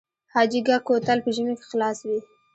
حاجي ګک کوتل په ژمي کې خلاص وي؟